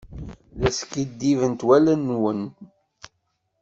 La skiddibent wallen-nwen.